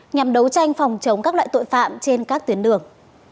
nhằm đấu tranh phòng chống các loại tội phạm trên các tuyến đường